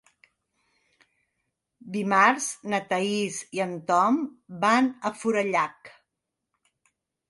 Dimarts na Thaís i en Tom van a Forallac.